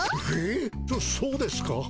えっそそうですか。